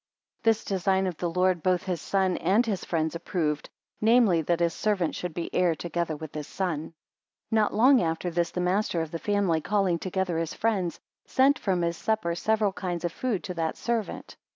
18 This design of the lord both his son and his friends approved, namely, that his servant should be heir together with his son. 19 Not long after this the master of the family calling together, his friends, sent from his supper several kinds of food to that servant.